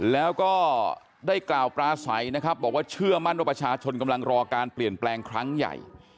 แล้วก็ได้กล่าวปลาใสนะครับบอกว่าเชื่อมั่นว่าประชาชนกำลังรอการเปลี่ยนแปลงครั้งใหญ่